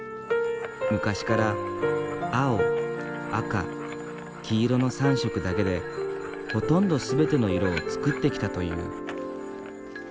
昔から青赤黄色の３色だけでほとんど全ての色を作ってきたという。